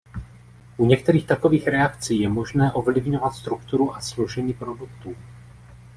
U některých takových reakcí je možné ovlivňovat strukturu a složení produktů.